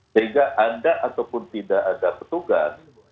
sehingga ada ataupun tidak ada petugas